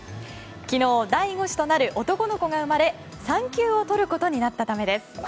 昨日、第５子となる男の子が生まれ産休を取ることになったためです。